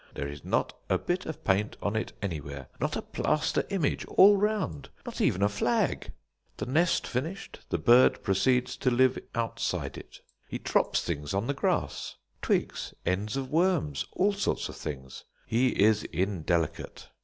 There is not a bit of paint on it anywhere, not a plaster image all round, not even a flag. The nest finished, the bird proceeds to live outside it. He drops things on the grass; twigs, ends of worms, all sorts of things. He is indelicate.